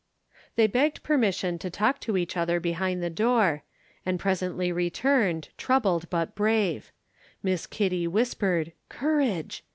They begged permission to talk to each other behind the door, and presently returned, troubled but brave. Miss Kitty whispered "Courage!"